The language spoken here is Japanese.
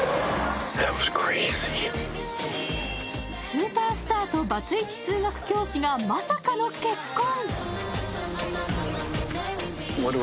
スーパースターとバツイチ数学教師がまさかの結婚。